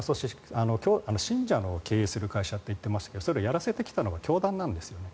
信者の経営する会社と言っていましたがやらせてきたのは教団なんですね。